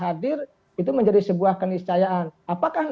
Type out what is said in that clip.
tapi his work memang secara tanggal tiwan